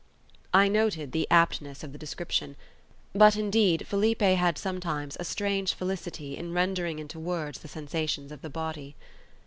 I noted the aptness of the description; but, indeed, Felipe had sometimes a strange felicity in rendering into words the sensations of the body.